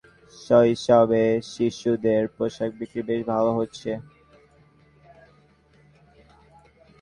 বিশাল centre, সাথী, young lady, শৈশবে শিশুদের পোশাক বিক্রি বেশ ভালো হচ্ছে।